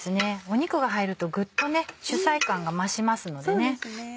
肉が入るとグッとね主菜感が増しますのでね。